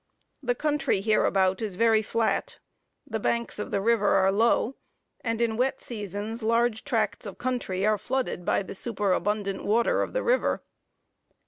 The country hereabout is very flat, the banks of the river are low, and in wet seasons large tracts of country are flooded by the super abundant water of the river.